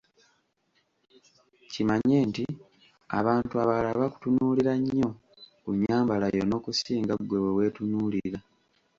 Kimanye nti abantu abalala bakutunuulira nnyo ku nnyambala yo n‘okusinga ggwe bwe weetunuulira.